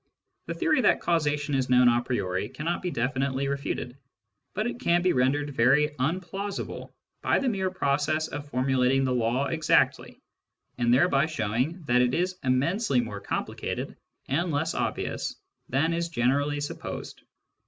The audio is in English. The theory that causation is known a priori cannot be definitely refuted, but it can be rendered very unplausible by the mere process of formulating the law exactly, and thereby showing that it is immensely more complicated and less obvious than is generally supposed.